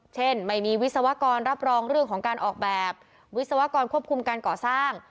เช่นไม่มีวิศวกรรับรองเรื่องของการออกแบบวิศวกรควบคุมการก่อสร้าง